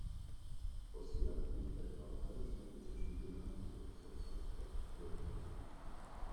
Ossiach liegt etwa auf halber Strecke zwischen Villach und der Bezirkshauptstadt Feldkirchen.